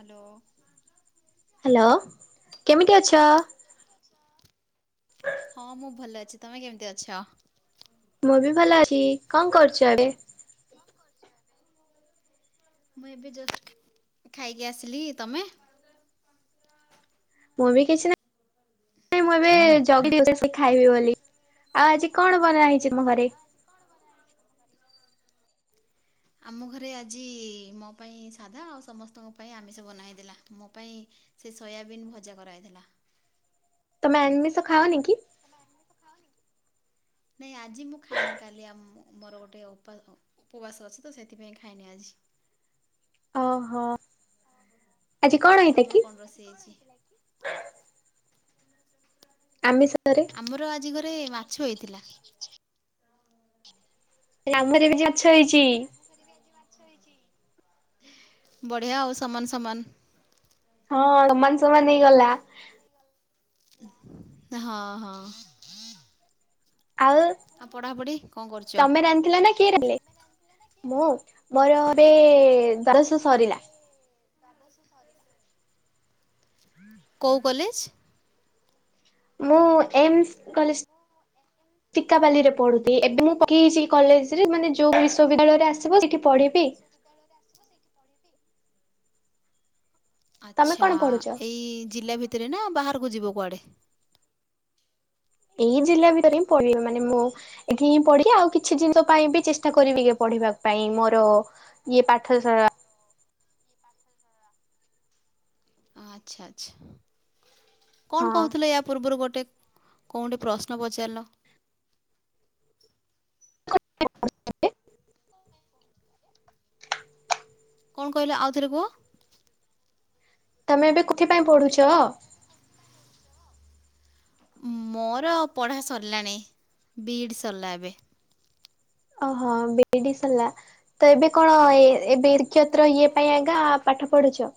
Hello. Hello କେମିତି ଅଛ? [inaudible] ହଁ ମୁଁ ଭଲ ଅଛି ତମେ କେମିତି ଅଛ? ମୁଁ ବି ଭଲ ଅଛି କଣ କରୁଚ ଏବେ? ମୁଁ ଏବେ ଜଷ୍ଟ ଖାଇକି ଆସିଲି ତମେ? ମୁଁ ବି କିଛି ନା ନାଇଁ ମୁଁ ଏବେ ଜଲଦି ଆସିଛି ଖାଇବି ବୋଲି ଆଉ ଆଜି କଣ ବନାହେଇଚି ତମ ଘରେ? ଆମ ଘରେ ଆଜି ମୋ ପାଇଁ ସାଧା ଆଉ ସମସ୍ତଙ୍କ ପାଇଁ ଆମିଷ ବନା ହେଇଥିଲା ମୋ ପାଇଁ ସେ ସୋୟାବିନ୍ ଭଜା କରାହେଇଥିଲା। ତମେ ଆମିଷ ଖାଅନିକି? [inaudible] ନାଇଁ ଆଜି ମୁଁ ଖାଇନି କାଲି ଆମ ମୋର ଗୋଟେ ଓପା ଉପବାସ ଅଛି ତ ସେଇଥିପାଇଁ ଖାଇନି ଆଜି। ଓହୋ। ଆଜି କଣ ହେଇଥା ତମର କି କଣ ରୋଷେଇ ହେଇଚି? ଆମିଷରେ ଆମର ଆଜି ଘରେ ମାଛ ହେଇଥିଲା। ଆମର ବି ଆଜି ମାଛ ହେଇଚି। ବଢ଼ିଆ ଆଉ ସମାନ ସମାନ। ହଁ ସମାନ ସମାନ ହେଇଗଲା‌। ହଁ ହଁ। ଆଉ ପଢ଼ାପଢ଼ି କଣ କରୁଛ ତମେ ରାନ୍ଧିଥିଲନା କିଏ ରାନ୍ଧିଲେ? ମୁଁ ମୋର ଏବେ ଦଶ ସରିଲା। ଦାବସ ସରିଲା। [inaudible] କୋଉ କଲେଜ୍? ମୁଁ ଏମସ୍ କଲେଜ୍ ଚିକାପାଲିରେ ପଢୁଥି ଏବେ ମୁଁ ପକେଇଚି କଲେଜରେ ମାନେ ଯୋଉ ବିଶ୍ୱବିଦ୍ୟାଳୟରେ ଆସିବ ସେଇଠି ପଢିବି। ବିଦ୍ୟାଳୟରେ ଆସିବ ସେଇଠି ତମେ କଣ ଆଚ୍ଛା ପଢୁଛ? ଏଇ ଜିଲ୍ଲା ଭିତରେ ନା ବାହାରକୁ ଯିବ କୁଆଡ଼େ? ଏଇ ଜିଲ୍ଲା ଭିତରେ ହିଁ ପଡ଼ିବି ମାନେ ମୋ ଏଠି ହିଁ ପଢିବି ଆଉ କିଛି ଜିନିଷ ପାଇଁ ବି ଚେଷ୍ଟା କରିବି ଟିକେ ପଢିବା ପାଇଁ ମୋର ଇଏ ପାଠ ସ ଆଚ୍ଛା ଆଚ୍ଛା କଣ ହଁ କୋହୁଥିଲ ୟା ପୂର୍ବରୁ ଗୋଟେ କଣଟେ ପ୍ରଶ୍ନ ପଚାରିଲ? କଣ କହିଲ ଆଉ ଥରେ କୁହ। ତମେ ଏବେ କୋଉଥିପାଇଁ ପଢୁଚ? ମୋର ପଢ଼ା ସରିଲାଣି ବିଇଡ଼୍ ସରଲା ଏବେ। ଓହୋ ବିଇଡି ସରଲା। ତ ଏବେ କଣ ଏ ଏବେ ଶିକ୍ଷତ୍ର ଇଏ ପାଇଁ ଆଗା ପାଠ ପଢ଼ୁଚ?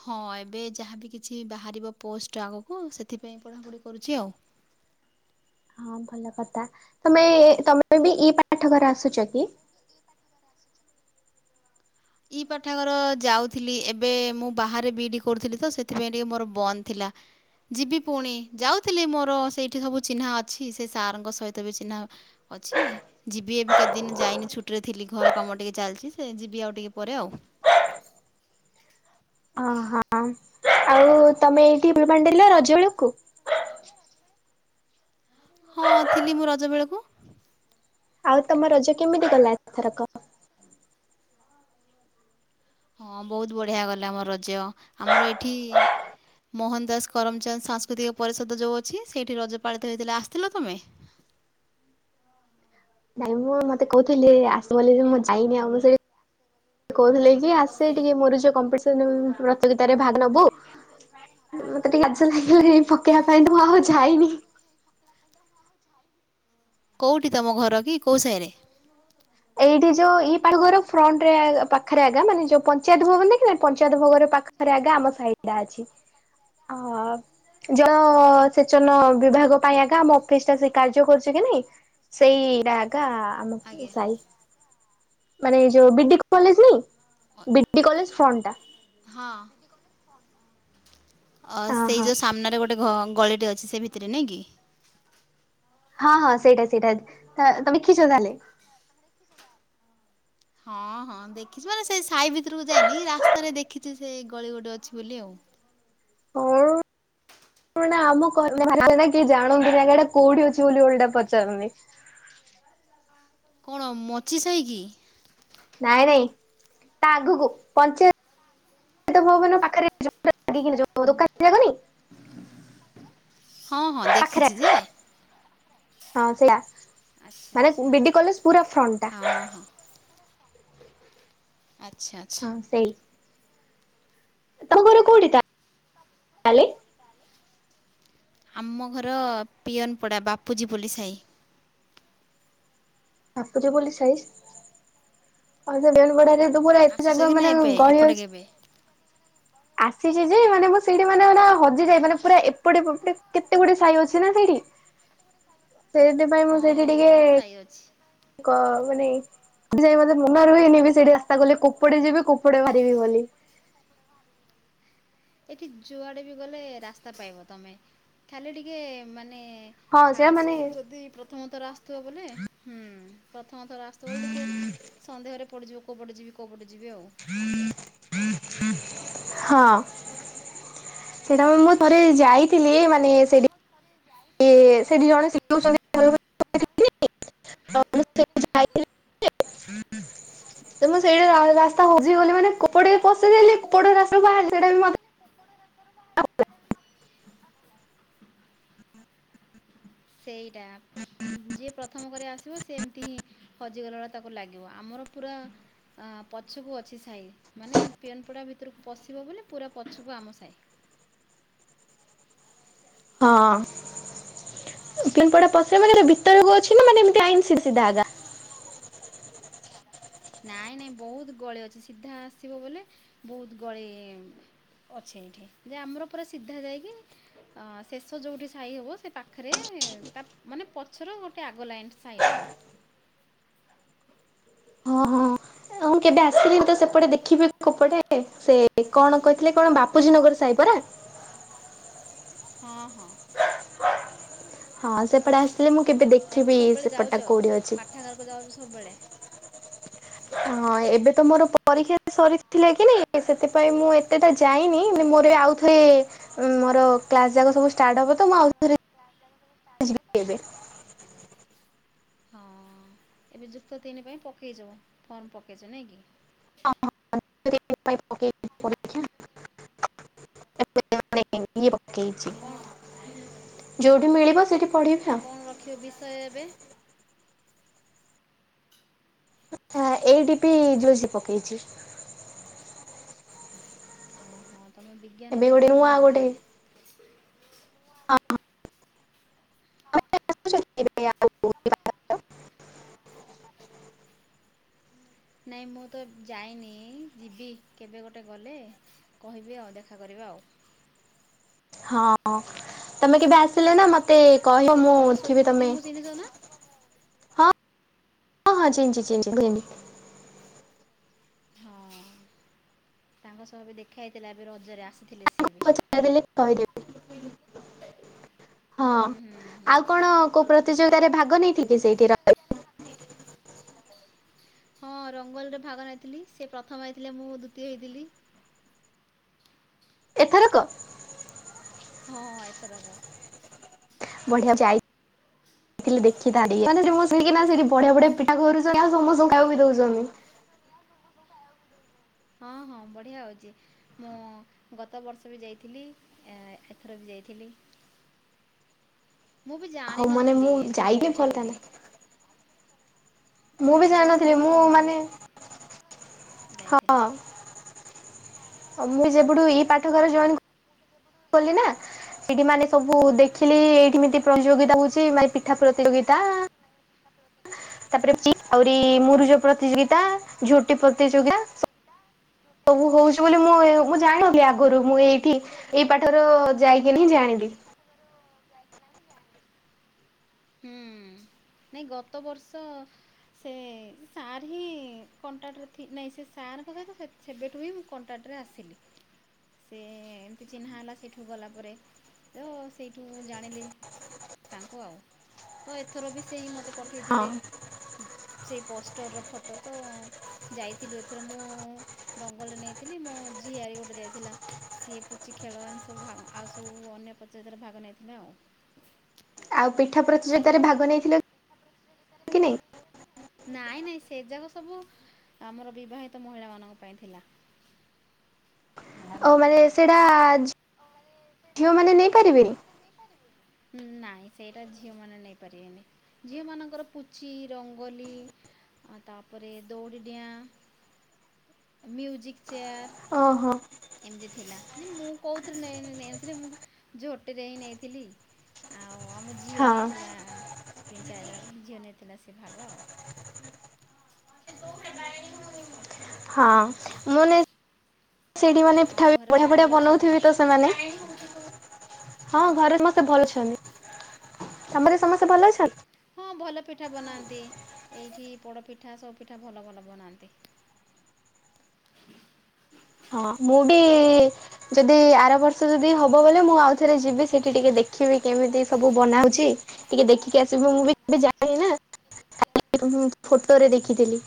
ହଁ ଏବେ ଯାହାବି କିଛି ବାହାରିବ ପୋଷ୍ଟ ଆଗକୁ ସେଥିପାଇଁ ପଢ଼ାପଢ଼ି କରୁଛି ଆଉ। ହଁ ଭଲ କଥା ତମେ ତମେ ବି ଇ ପାଠାଗର ଆସୁଚ କି? ଇ ପାଠାଗାର ଯାଉଥିଲି ଏବେ ମୁଁ ବାହାରେ ବି ଇ ଡ଼ି କରୁଥିଲି ତ ସେଥିପାଇଁ ଟିକେ ମୋର ବନ୍ଦ ଥିଲା। ଯିବି ପୁଣି ଯାଉଥିଲି ମୋର ସେଇଠି ସବୁ ଚିହ୍ନା ଅଛି ସେ ସାରଙ୍କ ସହିତ ବି ଚିହ୍ନା। ଅଛି ଯିବି ଏବେ କେତଦିନ ଯାଇନି ଛୁଟିରେ ଥିଲି ଘର କାମ ଟିକେ ଚାଲଚି ସେ ଯିବି ଆଉ ଟିକେ ପରେ ଆଉ। ହ ହଁ ଆଉ ତମେ ଏଇଠି ବି ବାଣ୍ଡିଲ ରଜ ବେଳକୁ। ହଁ ଥିଲି ମୁଁ ରଜ ବେଳକୁ। ଆଉ ତମ ରଜ କେମିତି ଗଲା ଏଥରକ? ହଁ ବୋହୁତ ବଢ଼ିଆ ଗଲା ମୋ ରଜ ଆମର ଏଠି ମୋହନ ଦାସ କରମଚନ୍ଦ ସାଂସ୍କୃତିକ ପରିଷଦ ଯୋଉ ଅଛି ସେଇଠି ରଜପାଳିତ ହେଇଥିଲେ ଆସିଥିଲ ତମେ? ନାଇଁ ମୁଁ ମତେ କୋହୁଥୁଲେ ଆସ ବୋଲି ବି ମୁଁ ଯାଇନି ଆଉ ମୁଁ ସେଠି ସେ କହୁଥିଲେ କି ଆସ ଟିକେ ମୋର ଯୋଉ କମ୍ପିଡସନ ପ୍ରତିଯୋଗିତାରେ ଭାଗ ନବୁ ମତେ ଟିକେ ଲାଜ ଲାଗିଲାଣି ପକେଇବା ପାଇଁ ଆଚ୍ଛା ତ ମୁଁ ଆଉ ଯାଇନି। କୋଉଠି ତମ ଘର କି କୋଉ ସାହିରେ? ଏଇଠି ଯୋଉ ଇ [unintelligible] ଘର ଫ୍ରଣ୍ଟ ରେ ପାଖରେ ଆଗା ମାନେ ଯୋଉ ପଞ୍ଚାୟତ ଭବନ ଦେଖ ନା ପଞ୍ଚାୟତ ଭବନ ପାଖ ରେ ଆଗା ଆମ ସାହି ଟା ଅଛି ଅ ଜଳ ସେଚନ ବିଭାଗ ପାଇଁ ହେକା ଆମ ଅଫିସ ଟା ସେ କାର୍ଯ୍ୟ କରୁଛି କି ନାଇଁ ସେଇଟାଗା ଆମ ଆଜ୍ଞା ସାହି ମାନେ ଏଇ ଯୋଉ ବିଡି କଲେଜ ନାଇ ବିଡି କଲେଜ ଫ୍ରଣ୍ଟ ଟା ହଁ ଅ ହଁ ସେଇ ହଁ ଯୋଉ ସାମ୍ନାରେ ଗୋଟେ ଗୋଟେ ଘ ଗଳିଟେ ଅଛି ସେ ଭିତରେ ନାଇଁ କି ହଁ ହଁ ସେଇଟା ସେଇଟା ତମେ ଦେଖିଛ ତାହେଲେ ହଁ ହଁ ଦେଖିଛି ମାନେ ସେ ସାହି ଭିତରକୁ ଯାଇନି ରାସ୍ତାରେ ଦେଖିଛି ସେ ଗଳି ଗୋଟେ ଅଛି ବୋଲି ଆଉ ହଁ ଆମ [unintelligible] ଜାଣନ୍ତିନି ଟା କଉଠି ଅଛି ବୋଲି ଓଲଟା ପଚାରନ୍ତି। କଣ ମଚି ସାହି କି? ନାଇଁ ନାଇଁ ତା ଆଗକୁ ପଞ୍ଚା ୟତ ଭବନ ପାଖରେ [unintelligible] ହଁ ହଁ ପାଖରେ ଦେଖିଛି ଯେ ହଁ ସେଇଟା ଆଚ୍ଛା ମାନେ ଆଚ୍ଛା ବିଡି କଲେଜ ପୁର ଫ୍ରଣ୍ଟ ଟା ହଁ ହଁ ଆଚ୍ଛା ଆଚ୍ଛା ହଁ ସେଇ ତମ ଘର କଉଠି ତା ତାହାଲେ ଆମ ଘର ପିଅନପଡ଼ା ବାପୁଜୀ ବୋଲି ସାହି ବାପୁଜୀ ବୋଲି ସାଇ ହଉ ସେ ବେନୁ ପଡାରେ ତ ପୁରା ଏତେ ଆସିଛ ଜାଗା କି ନା ମାନେ ଏବେ ଗଳି ଏପଟେ ଅଛି। କେବେ? ଆସିଛି ଯେ ମାନେ ମୁଁ ସେଇଠି ମାନେ ହଜିଯାଏ ମାନେ ପୁରା ଏପଟେ ପେପେଟେ କେତେ ଗୁଟେ ସାଇ ଅଛି ନା ସେଇଠି ସେଇଠି ମୁଁ ହଁ ଟିକେ ବହୁତ ସାଇ ଅଛି। କ ମାନେ ସେଠି ଯାଇ ମତେ ମନ ରହେନି ବି ସେଇଠି ରାସ୍ତା ଗଲେ କୁପଡେ ଯିବି କୋପଡେ ବାହାରିବି ବୋଲି ଏଠି ଯୁଆଡ଼େ ବି ଗଲେ ରାସ୍ତା ପାଇବ ତମେ ଖାଲି ଟିକେ ମାନେ ହଁ ସେଇଟା ମାନେ ଫାଷ୍ଟ ଯଦି ପ୍ରଥମଥର ଆସିଥିବ ବୋଲେ ହୁଁ ପ୍ରଥମଥର ଆସିଥିବ ଟିକେ ସନ୍ଧେହରେ ପଡ଼ିଯିବ କଉ ପଟେ ଯିବି କେଉଁ ପଟେ ଯିବି ଆଉ ହଁ ସେଟା ମୁଁ ଥରେ ଯାଇଥିଲି ମାନେ ସେଠି ସେଠି ଜଣେ ଶିଖଉଛନ୍ତି ତ ତମେ ସେଇଠି ରା ରା ରାସ୍ତା ହଜିଗଲି ମାନେ କୁପଡେ ପଶିଦେଲି କୁପଡେ ରାସ୍ତାକୁ ବାହାରିଲି ସେଇଟା ବି [unintelligible] ସେଇଟା ଯିଏ ପ୍ରଥମ କରି ଆସିବ ସେ ଏମିତି ହିଁ ହଜିଗଲା ବଳିଆ ତାକୁ ଲାଗିବ ଆମର ପୁରା ଆଁ ପଛକୁ ଅଛି ସାହି ମାନେ ପିଅନପଡ଼ା ଭିତରକୁ ପଶିବ ବୋଲି ପୁରା ପଛକୁ ଆମ ସାହି। ହଁ ପିଅନ ପଡା ପସିବ ମାନେ ଭିତରକୁ ଅଛି ନାଁ ମାନେ ଏମତି ଆଇନ ସି ସିଧାଗା। ନାଇଁ ନାଇଁ ବହୁତ ଗଳି ଅଛି ସିଧା ଆସିବ ବୋଲେ ବହୁତ ଗଳି ଅଛି ଏଇଠି ଯେ ଆମର ପୁରା ସିଧା ଯାଇକି ଅ ଶେଷ ଯୋଉଠି ସାହି ହବ ସେ ପାଖରେ ତା ମାନେ ପଛର ଗୋଟେ ଟିକେ ଆଗଲାଇନ୍ ସାଇଟା ଆଉ। ହଁ ହଁ ଆଉ ମୁଁ କେବେ ଆସିଲିନି ତ ସେପଟେ ଦେଖିବି। କୋପଟେ ସେ କଣ କହିଥିଲେ କଣ ବାପୁଜୀ ନଗର ସାହି ପରା। ହଁ ହଁ। ହଁ ସେପଟେ ଆସିଥିଲେ ମୁଁ କେବେ ଦେଖିବି ସେପଟଟା କୋଉଠି ଅଛି। ଖାଇବାକୁ ଯାଉଚି। ସବୁବେଳେ। ହଁ ଏବେ ତ ମୋର ପରୀକ୍ଷା ସରିଥିଲା କି ନାଇଁ ସେଥିପାଇଁ ମୁଁ ଏତେଟା ଯାଇନି ମୁଁ ମୋର ଆଉ ରେ ମୋର କ୍ଲାସ ଯାକ ସବୁ ଷ୍ଟାର୍ଟ ହବ ତ ମୁଁ ଆଉ ଥରେ। ଷ୍ଟାର୍ଟ ଯିବି ହବତ ମୁଁ ଏବେ। ଆଉଥରେ। ହଁ ଏବେ ଯୁକ୍ତ ତିନି ପାଇଁ ପକେଇଚ ଫର୍ମ ପକେଇଚ ନାଇଁ କି। [unintelligible] [unintelligible] କଣ ଯୋଉଠି ମିଳିବ ସେଠି। କଣ ରଖିବ ବିଷୟ ଏବେ? ଏଇଡି ପି ଜୋସେ ପକେଇଚି। ହଁ ତମେ ବିଜ୍ଞାନ ଏବେ ଗୋଟେ ସେଣିର ନୂଆ ନେହିଁକି ଗୋଟେ ତାହାଲେ। [inaudible] [unintelligible] ନାଇଁ ମୁଁ ତ ଯାଇନି ଯିବି କେବେ ଗୋଟେ ଗଲେ। କହିବି ଆଉ ଦେଖା କରିବା ଆଉ। ହଁ ତମେ କେବେ ଆସିଲେ ନାଁ ମତେ କହିବ ମୁଁ ଥିବି ତମେ ଚିନିଚ ନାଁ? ହଁ ହଁ ଚିନିଚି ଚିନିଚି। ହଁ ତାଙ୍କ ସହ ବି ଦେଖାହେଇଥିଲା ଏବେ ରଜରେ ଆସିଥିଲେ ସେ ବି। ଆରେ ହେ କହିଦେବି ହଁ। ହୁଁ ହୁଁ ହୁଁ ଆଉ କଣ କୋଉ ପ୍ରତିଯୋଗିତାରେ ଭାଗ ନେଇଥିଲି କି ସେଇଠି ରହିବି। ହଁ ରଙ୍ଗଲରେ ଭାଗ ନେଇଥିଲି ସେ ପ୍ରଥମରେ ଥିଲେ ମୁଁ ଦ୍ୱିତୀୟ ତୀୟ ହୋଇଥିଲି। ଏଥରକ। ହଁ ଏଥରକ। ବଢିଆ ଯାଇ। ଥିଲେ ଦେଖିଥାନ୍ତି ସେଠି ବଢିଆ ବଢିଆ ପିଠା କରୁଚନ୍ତି ଆଉ ସମସ୍ତେ ଖାଇବାକୁ ବି ଦୋଉଚନ୍ତି। ହଁ ହଁ ବଢିଆ ହୋଉଚି। ମୁଁ ଗତ ବର୍ଷ ବି ଯାଇଥିଲି ଏଁ ଏଥର ବି ଯାଇଥିଲି। ମୁଁ ବି ହଉ ମାନେ ଜାଣିନଥିଲି ମୁଁ ଏମିତି ଯାଇଲେ ହେଉଛି ଭଲ ବୋଲି ଥାନ୍ତା। ମୁଁ ବି ଗତ ବର୍ଷ ଜାଇନଥିଲି ହିଁ ମୁଁ ମାନେ ହଁ। ଯାଇଥିଲି ଆ ମୁଁ ଯେବେଠୁ ଏଇ ପାଠଘରେ ଜଏନ୍ କଲି ନାଁ। ସେଇଠି ମାନେ ସବୁ ଦେଖିଲି ଏଇଠିଏମିତି ପ୍ରତିଯୋଗିତା ହୋଉଚି ମାନେ ପିଠା ପ୍ରତିଯୋଗିତା। ତାପରେ ଆଛି ଆହୁରି ମୁରୁଜ ପ୍ରତିଯୋଗିତା ଝୋଟି ପ୍ରତିଯୋଗତା ସ ସବୁ ହୋଉଚି ବୋଲି ମୁଁ ମୁଁ ଜାଣିଲି ଆଗରୁ ମୁଁ ଏଇଠି। ଏଇ ପାଠର ଯାଇକି ନିଜାଣିବି। ହୁଁ ନାଇଁ ଗତ ବର୍ଷ। ସେ ସାର୍ ହିଁ କଣ୍ଟାକ୍ଟରେ ଥି ନାହିଁ ସେ ସାରଙ୍କ ସେତେ ସେବେଠୁ ହିଁ ମୁଁ କଣ୍ଟାକ୍ଟରେ ଆସିଲି। ସେ ଏମିତି ଚିହ୍ନା ହେଲା ସେଇଠୁ ଗଲାପରେ ତ ସେଇଠୁ ଜାଣିଲି ତାଙ୍କୁ ଆଉ ତ ଏଥର ବି ସେ ହି ମୋତେ ହଁ ପଠେଇଥିଲେ ସେଇ ପୋଷ୍ଟର ଫଟ ତ ଯାଇଥିଲୁ ଏଥର ମୁଁ ଜଙ୍ଗଲରେ ନେଇଥିଲି ମୋ ଝି ଆରୀ ଗୋଟେ ଯାଇଥିଲା ସିଏ ପୁଚି ଖେଳଆଣ ସବୁ ଭାଗ ଆ ଆଉ ସବୁ ଅନ୍ୟ ପ୍ରତିିଯୋଗିତାରେ ଭାଗ ନେଇଥିଲେ ଆଉ ଆଉ ପିଠା ପ୍ରତିଯୋଗିତାରେ ଭାଗ ନେଇଥିଲ ନାଇଁ ନାଇଁ ସେ ଯାକ ସବୁ ଆମର ବିବାହିତ ମହିଳା ମାନଙ୍କ ପାଇଁ ଥିଲା ଓ ମାନେ ସେଇଟା ଝିଅ ମାନେ ନେଇପାରିବେନି ଉ ନାଇଁ ସେଇଟା ଝିଅମାନେ ନେଇପାରିବେନି ଝିଅମାନଙ୍କର ପୁଚି ରଙ୍ଗୋଲି ଆ ତାପରେ ଦୌଡ଼ିଡିଆଁ ମ୍ୟୁଜିକ୍ ଚେୟାର ଓହୋ ଏମିତି ଥିଲା ଯେ ମୁଁ କହୁଥିର୍ ନେଇ ନେଇନଥିଲି ମୁଁ କୁ ଝୋଟିରେ ହିଁ ନେଇଥିଲି ଆଉ ଆମ ଝିଅ ହଁ ନେଇଥିଲା ତିନି ଚାରିଜାଗା ଝିଅ ନେଇଥିଲା ସେ ଭାଗ ଆଉ ହଁ ମୁଁ ନେଇ ସେଇଠି ମାନେ ପିଠା ଆଉ ଘରେ ବଢିଆ ସବୁ ବଢିଆ ଭଲ ଅଛନ୍ତି? ବନଉଥିବି ତ ସେମାନେ ହଁ ଘରେ ସମସ୍ତେ ଭଲ ଅଛନ୍ତି ତମର ସମସ୍ତେ ଭଲ ଅଛନ୍ତି ହଁ ଭଲ ପିଠା ବନାନ୍ତି ଏଇଠି ପୋଡ଼ପିଠା ସବୁ ପିଠା ଭଲ ଭଲ ବନାନ୍ତି ହଁ ମୁଁ ଡି ଯଦି ଆର ବର୍ଷ ଯଦି ହବ ବୋଲେ ମୁଁ ଆଉଥରେ ଯିବି ସେଠି ଟିକେ ଦେଖିବି କେମିତି ସବୁ ବନାଉଛି ଟିକେ ଦେଖିକି ଆସିବୁ ମୁଁ ବି କେବେ ଜାଇନି ନା ଖାଲି ମୁଁ ଫଟୋରେ ଦେଖିଥିଲି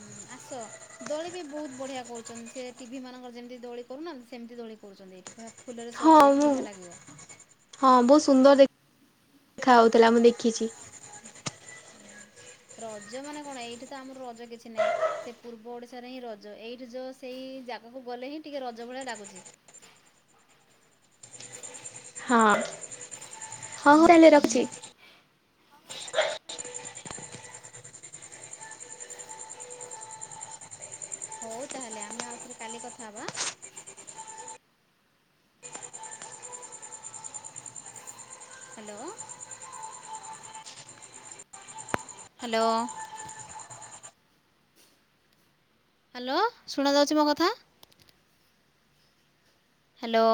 ହୁଁ ଆସ ଦୋଳି ବି ବହୁତ ବଢିଆ କରୁଛନ୍ତି ସେ ଟିଭି ମାନଙ୍କର ଯେମିତି ଦୋଳି କରୁନାହାନ୍ତି ସେମିତି ଦୋଳି କରୁଛନ୍ତି ଏଠି ପରା ହଉ ମୁଁ ହଁ ବହୁତ ସୁନ୍ଦର ଦେ ଖା ହଉଥିଲା ମୁଁ ଦେଖିଛି ହୁଁରଜ ମାନେ କଣ ଏଇଠି ତ ଆମର ରଜ କିଛି ନାହିଁ ସେ ପୂର୍ବ ଓଡିଶାରେ ହିଁ ରଜ ଏଇଠି ଯୋ ସେଇ ଜାଗାକୁ ଗଲେ ହିଁ ଟିକେ ରଜ ଭଳିଆ ଲାଗୁଛି ହଁ ହଁଉ ହେଲେ ରଖୁଛି ହଉ ତାହେଲେ ଆମେ ଆଉଥରେ କାଲି କଥା ହବା ଆଁ ହ୍ୟାଲୋ ହ୍ୟାଲୋ ହ୍ୟାଲୋ ଶୁଣାଯାଉଛି ମୋ କଥା ହ୍ୟାଲୋ